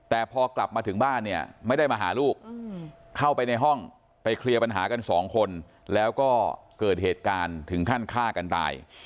แต่พอกลับมาถึงบ้านเนี่ยไม่ได้มาหาลูกเข้าไปในห้องไปเคลียร์ปัญหากันสองคนแล้วก็เกิดเหตุการณ์ถึงขั้นฆ่ากันตาย